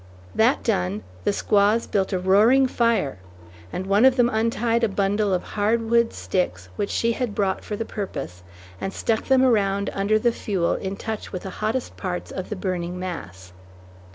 That done, the squaws built a roaring fire, and one of them untied a bundle of hardwood sticks which she had brought for the purpose, and stuck them around under the fuel in touch with the hottest parts of the burning mass.